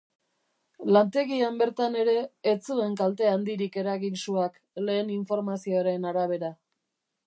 Lantegian bertan ere ez zuen kalte handirik eragin suak, lehen informazioaren arabera.